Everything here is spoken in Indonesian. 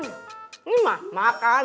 ini mah makan makan